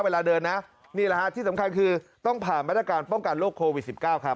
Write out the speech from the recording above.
เวลาเดินนะนี่แหละฮะที่สำคัญคือต้องผ่านบรรยากาศป้องกันโลกโควิดสิบเก้าครับ